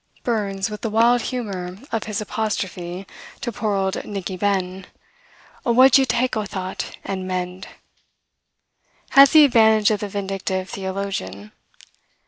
Burns, with the wild humor of his apostrophe to "poor old Nickie Ben," "O wad ye tak a thought, and mend!" has the advantage of the vindictive theologian.